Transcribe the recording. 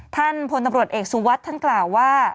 ท่านพลตำรวจเอกสุวัสดิ์ท่านกล่าวว่า